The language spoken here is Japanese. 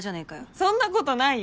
そんなことないよ。